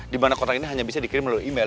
di mana kotak ini hanya bisa dikirim melalui email